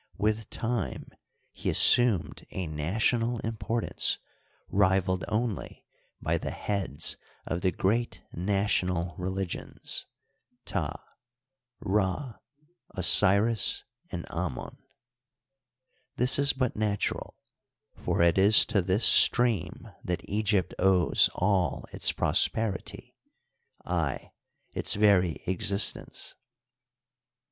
With time he assumed a national importance rivaled only by the heads of the great national religions, Ptah, Rd, Osiris, and Amon, This is but natural, for it is to this stream that Egypt owes all its prosperity — ay, its very existence.